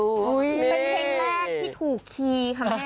เป็นเพลงแรกที่ถูกคีย์ค่ะแม่